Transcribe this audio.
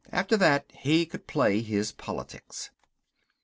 After that he could play his politics.